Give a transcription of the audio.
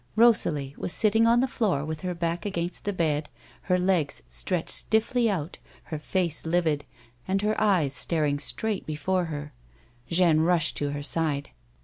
liosalie was sitting on the tloor with her Inuk against the bed, her legs stretched stiffly o>it, her face livid, and her eves staring straight before her. Jeanne rushed to her side.